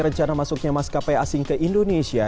rencana masuknya maskapai asing ke indonesia